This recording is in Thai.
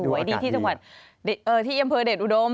ดูอากาศดีดีที่เยี่ยมเภอเดชอุดม